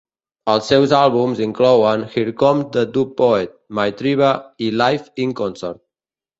Els seus àlbums inclouen "Here Comes The Dub Poet", "My Tribe" i "Live in Concert".